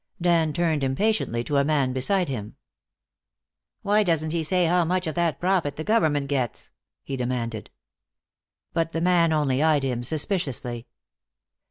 Dan turned impatiently to a man beside him. "Why doesn't he say how much of that profit the government gets?" he demanded. But the man only eyed him suspiciously.